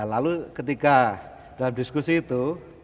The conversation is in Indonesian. lalu ketika dalam diskusi itu